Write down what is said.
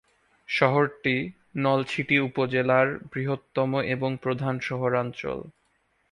শহরটি নলছিটি উপজেলার বৃহত্তম এবং প্রধান শহরাঞ্চল।